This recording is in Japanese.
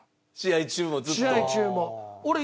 試合中もずっと？